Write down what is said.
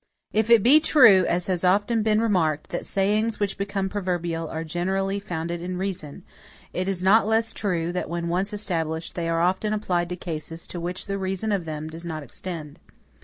If it be true, as has often been remarked, that sayings which become proverbial are generally founded in reason, it is not less true, that when once established, they are often applied to cases to which the reason of them does not extend.